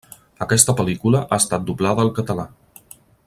Aquesta pel·lícula ha estat doblada al català.